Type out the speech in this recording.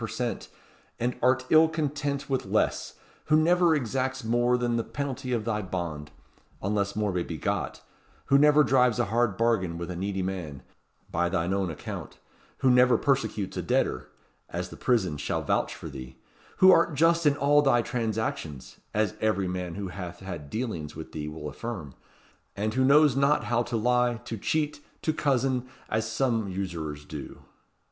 per cent., and art ill content with less; who never exacts more than the penalty of thy bond, unless more may be got; who never drives a hard bargain with a needy man by thine own account; who never persecutes a debtor as the prisons shall vouch for thee; who art just in all thy transactions as every man who hath had dealings with thee will affirm; and who knows not how to lie, to cheat, to cozen as some usurers do."